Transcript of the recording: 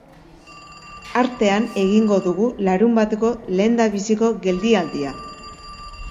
Artean egingo dugu larunbateko lehendabiziko geldialdia.